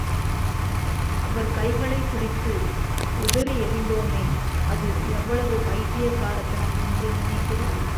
அவர் கைகளைப் பிடித்து உதறி எறிந்தோமே அது எவ்வளவு பைத்தியக்காரத்தனம் என்று நினைக்கிறாள்.